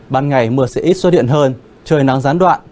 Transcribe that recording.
ban ngày mưa sẽ ít xuất hiện hơn trời nắng gián đoạn